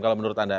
kalau menurut anda